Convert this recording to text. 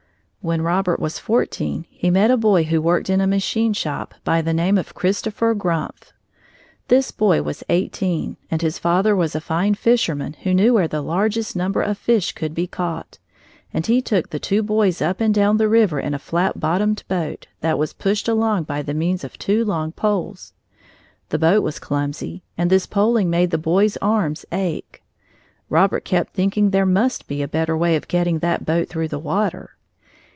When Robert was fourteen, he met a boy who worked in a machine shop, by the name of Christopher Grumpf. This boy was eighteen, and his father was a fine fisherman who knew where the largest number of fish could be caught, and he took the two boys up and down the river in a flat bottomed boat that was pushed along by the means of two long poles. The boat was clumsy, and this poling made the boys' arms ache. Robert kept thinking there must be a better way of getting that boat through the water.